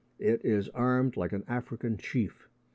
It is armed like an African chief.